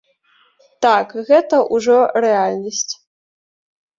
Так, гэта ўжо рэальнасць.